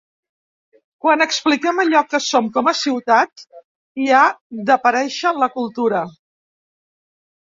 Quan expliquem allò que som com a ciutat, hi ha d’aparèixer la cultura.